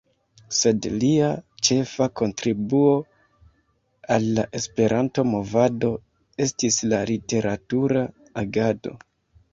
Sed lia ĉefa kontribuo al la Esperanto-movado estis la literatura agado.